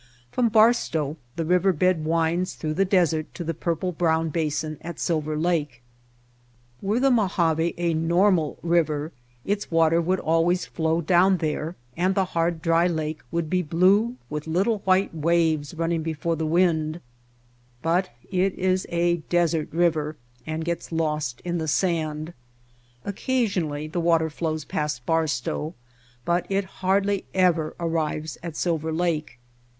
From Barstow the river bed winds through the desert to the purple brown basin at Silver Lake. Were the Mojave White Heart of Mojave a normal river its water would always flow down there and the hard dry lake would be blue with little white waves running before the wind, but it is a desert river and gets lost in the sand. Oc casionally the water flows past Barstow, but it hardly ever arrives at Silver Lake.